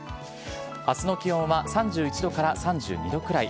あすの気温は３１度から３２度くらい。